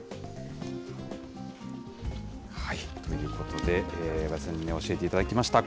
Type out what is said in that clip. ということで、阿部さんに教えていただきました。